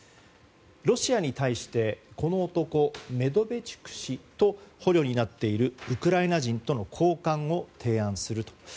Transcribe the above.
ロシアに対してこの男、メドベチュク氏と捕虜になっているウクライナ人との交換を提案すると。